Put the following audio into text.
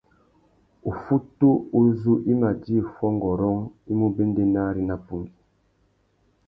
Uffutu uzú i mà djï fuongôrông i mú béndénari nà pungüi.